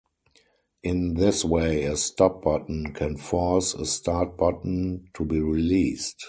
In this way, a stop button can "force" a start button to be released.